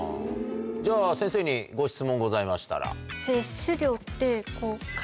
じゃあ先生にご質問ございましたら。